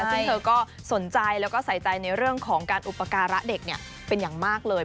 ซึ่งเธอก็สนใจแล้วก็ใส่ใจในเรื่องของการอุปการะเด็กเป็นอย่างมากเลย